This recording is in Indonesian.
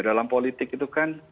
dalam politik itu kan